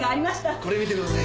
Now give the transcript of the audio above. これ見てください。